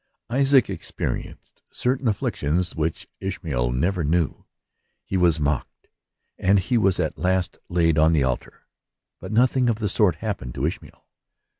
Isaac experienced certain afflictions which Ish mael never knew : he was mocked, and he was at last laid on the altar ; but nothing of the sort hap pened to Ishmael.